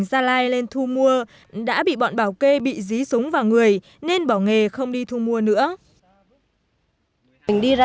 giá thuê bị dí súng vào người nên bỏ nghề không đi thu mua nữa